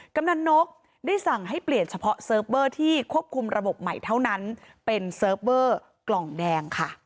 กำลังนกได้สั่งให้เปลี่ยนเฉพาะเซิร์ฟเวอร์ที่ควบคุมระบบใหม่เท่านั้นเป็นเซิร์ฟเวอร์กล่องแดงค่ะ